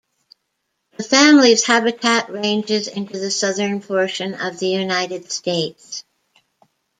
The family's habitat ranges into the southern portion of the United States.